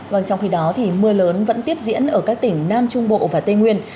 vâng trong khi đó thì mưa lớn vẫn tiếp diễn ở các tỉnh nam trung bộ và tây nguyên